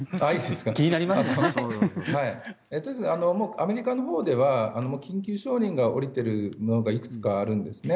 アメリカのほうでは緊急承認が下りているものがいくつかあるんですね。